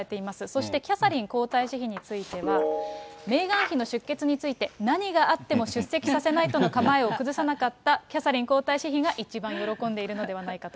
そしてキャサリン皇太子妃については、メーガン妃の出欠について何があっても出席させないとの構えを崩さなかったキャサリン皇太子妃が一番喜んでいるのではないかと。